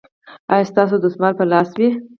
ایا ستاسو دستمال به په لاس وي؟